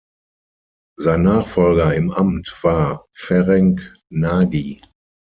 Sein Nachfolger im Amt war Ferenc Nagy.